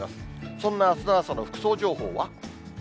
そんなあすの朝の服装情報は。